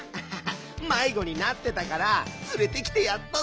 まいごになってたからつれてきてやったぜ。